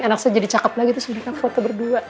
anak saya jadi cakep lagi tuh sebenernya foto berdua